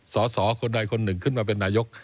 สอสอคนใดคนหนึ่งขึ้นมาเป็นนายก